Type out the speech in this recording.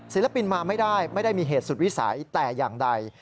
ศิลปินมาไม่ได้ไม่ได้มีเหตุสุดวิสัยแต่อย่างใด